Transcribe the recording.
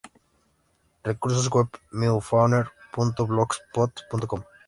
Recursos web: meiofaunaperu.blogspot.com